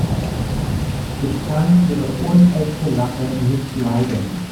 Ich kann ihre unechte Lache nicht leiden.